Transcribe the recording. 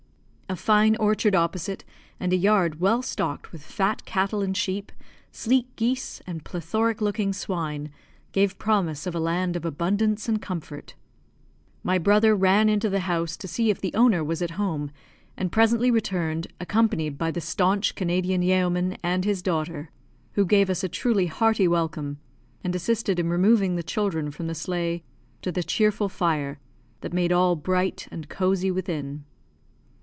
A fine orchard opposite, and a yard well stocked with fat cattle and sheep, sleek geese, and plethoric looking swine, gave promise of a land of abundance and comfort. My brother ran into the house to see if the owner was at home, and presently returned, accompanied by the staunch Canadian yeoman and his daughter, who gave us a truly hearty welcome, and assisted in removing the children from the sleigh to the cheerful fire, that made all bright and cozy within.